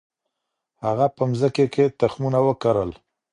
هغه په مځکي کي تخمونه وکرل.